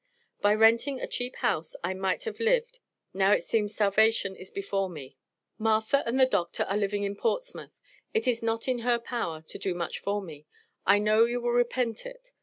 By renting a cheap house, I might have lived, now it seems starvation is before me. Martha and the Doctor are living in Portsmouth, it is not in her power to do much for me. I know you will repent it.